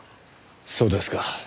そうですか。